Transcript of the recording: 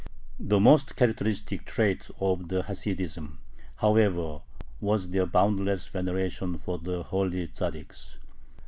The most characteristic trait of the Hasidim, however, was their boundless veneration of the "holy" Tzaddiks.